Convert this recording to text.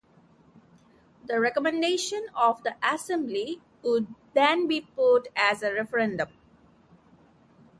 The recommendation of the assembly would then be put as a referendum.